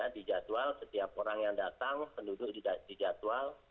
di jadwal setiap orang yang datang penduduk dijadwal